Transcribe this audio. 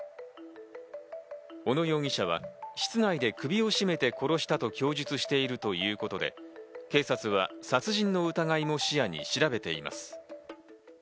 小野容疑者は室内で首を絞めて殺したと供述しているということで、警察は殺人の疑いも視野に調べています。